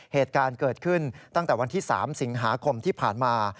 เหตุการณ์เกิดขึ้นตั้งแต่วันที่๓สิงหาคมที่ผ่านมา